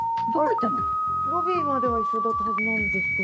ロビーまでは一緒だったはずなんですけど。